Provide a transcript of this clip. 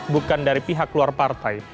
bukan dari pihak luar partai